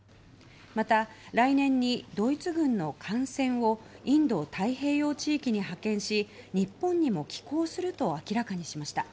また、来年にドイツ軍の艦船をインド太平洋地域に派遣し日本にも寄港すると明らかにしました。